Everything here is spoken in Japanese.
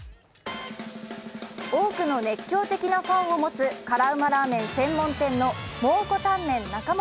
多くの熱狂的なファンを持つ辛うまラーメン専門店の蒙古タンメン中本。